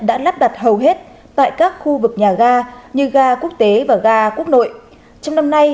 đã lắp đặt hầu hết tại các khu vực nhà ga như ga quốc tế và ga quốc nội trong năm nay